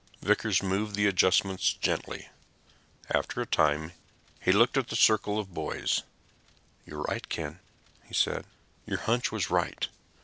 Vickers moved the adjustments gently. After a time he looked up at the circle of boys. "You were right, Ken," he said. "Your hunch was right.